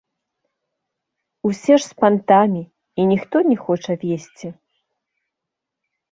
Усе ж з пантамі, і ніхто не хоча весці.